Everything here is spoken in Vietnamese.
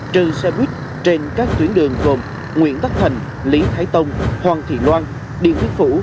trừ xe buýt trên các tuyến đường gồm nguyễn tất thành lý thái tông hoàng thị loan điện quốc phủ